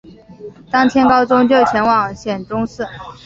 当天高宗就前往显忠寺。